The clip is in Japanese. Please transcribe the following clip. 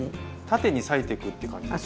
縦に裂いていくって感じですか？